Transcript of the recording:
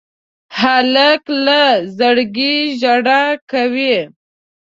هلک له زړګي ژړا کوي.